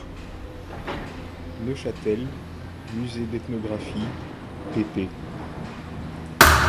Neuchâtel, Musée d'ethnographie, pp.